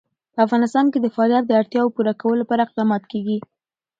په افغانستان کې د فاریاب د اړتیاوو پوره کولو لپاره اقدامات کېږي.